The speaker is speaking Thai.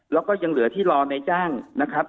แล้วก็ยังเหลือที่รอในจ้างนะครับ